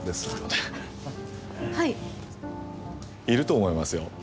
いると思いますよ